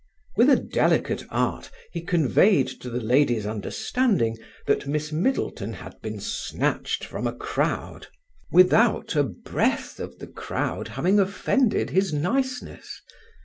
With a delicate art he conveyed to the lady's understanding that Miss Middleton had been snatched from a crowd, without a breath of the crowd having offended his niceness.